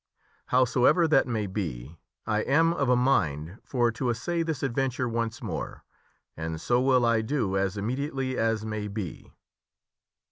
Howsoever that may be, I am of a mind for to assay this adventure once more, and so will I do as immediately as may be."